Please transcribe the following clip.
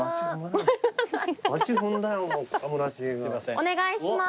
お願いします。